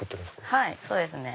はいそうですね。